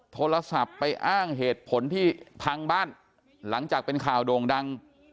โทรศัพท์ไปอ้างเหตุผลที่พังบ้านหลังจากเป็นข่าวโด่งดัง